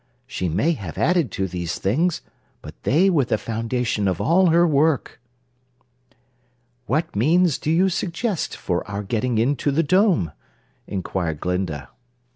She may have added to these things, but they were the foundation of all her work." "What means do you suggest for our getting into the Dome?" inquired Glinda.